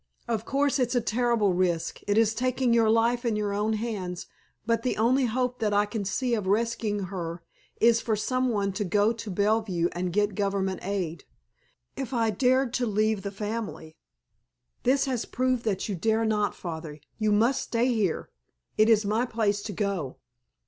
Of course it's a terrible risk, it is taking your life in your hands, but the only hope that I can see of rescuing her is for some one to go to Bellevue and get Government aid. If I dared to leave the family——" "This has proved that you dare not, Father. You must stay here. It is my place to go."